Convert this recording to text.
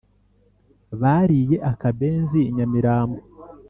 bariye akabenzi inyamirambo